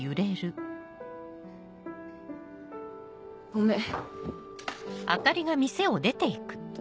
ごめん。